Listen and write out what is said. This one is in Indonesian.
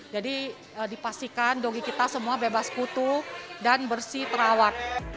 jadi dipastikan dogi kita semua bebas kutu dan bersih terawat